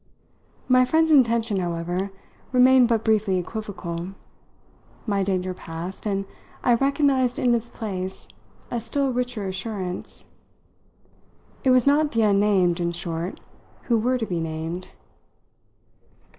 My friend's intention, however, remained but briefly equivocal; my danger passed, and I recognised in its place a still richer assurance. It was not the unnamed, in short, who were to be named.